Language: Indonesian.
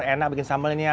enak bikin sambel ini ya